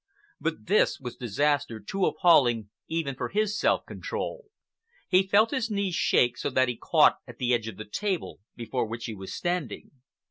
But this was disaster too appalling even for his self control. He felt his knees shake so that he caught at the edge of the table before which he was standing.